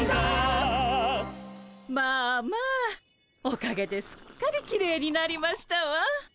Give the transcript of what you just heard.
まあまあおかげですっかりきれいになりましたわ。